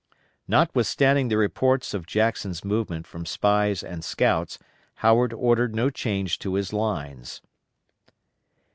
Notwithstanding the reports of Jackson's movement from spies and scouts, Howard ordered no change in his lines.